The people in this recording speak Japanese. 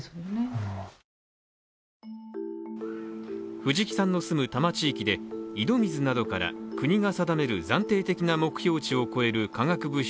藤木さんの住む多摩地域で、井戸水などから国が定める暫定的な目標値を超える化学物質